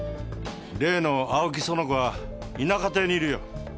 例の青木苑子は田舎亭にいるよ。